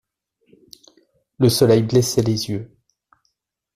Le soleil blessait les yeux.